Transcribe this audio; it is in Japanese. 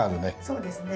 そうですね。